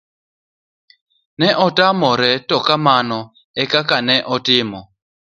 ka otamore to kamano ekaka itimo